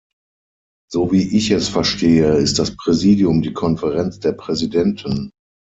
So wie ich es verstehe, ist das Präsidium die Konferenz der Präsidenten.